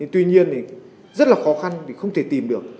tuy nhiên rất là khó khăn không thể tìm được